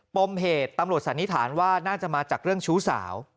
ปมเหตุตำรวจสันนิษฐานว่าน่าจะมาจากเรื่องชู้สาว